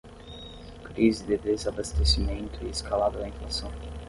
Crise de desabastecimento e escalada da inflação